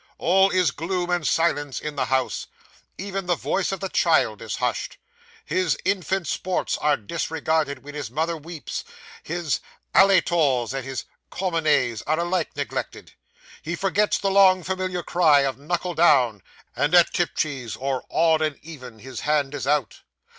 All is gloom and silence in the house; even the voice of the child is hushed; his infant sports are disregarded when his mother weeps; his "alley tors" and his "commoneys" are alike neglected; he forgets the long familiar cry of "knuckle down," and at tip cheese, or odd and even, his hand is out.